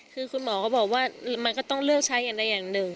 คือคุณหมอก็บอกว่ามันก็ต้องเลือกใช้อย่างใดอย่างหนึ่ง